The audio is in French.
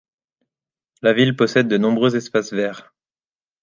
La ville possède de nombreux espaces verts.